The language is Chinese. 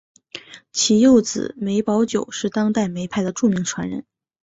其幼子梅葆玖是当今梅派的著名传人。